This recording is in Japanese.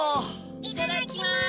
いただきます！